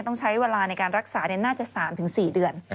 ต้องใช้เวลาในการรักษาน่าจะ๓๔เดือน